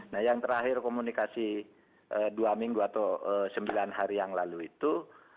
nah yang terakhir komunikasi dua minggu atau sembilan hari yang lalu itu